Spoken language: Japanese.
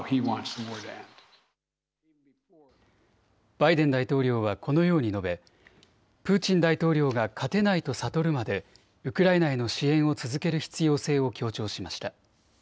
バイデン大統領はこのように述べ、プーチン大統領が勝てないと悟るまでウクライナへの支援を続ける必要性を強調しました。